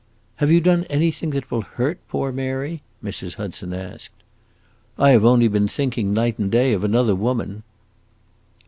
"Have you done anything that will hurt poor Mary?" Mrs. Hudson asked. "I have only been thinking night and day of another woman!"